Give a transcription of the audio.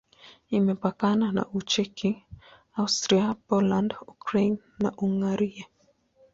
Imepakana na Ucheki, Austria, Poland, Ukraine na Hungaria.